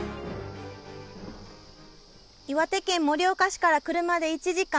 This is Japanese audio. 岩手県盛岡市から車で１時間。